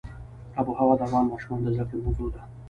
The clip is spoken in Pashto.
آب وهوا د افغان ماشومانو د زده کړې موضوع ده.